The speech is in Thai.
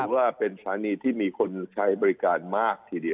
ว่าเป็นสถานีที่มีคนใช้บริการมากทีเดียว